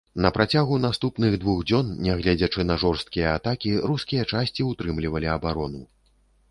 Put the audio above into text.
На працягу наступных двух дзён, нягледзячы на жорсткія атакі, рускія часці ўтрымлівалі абарону.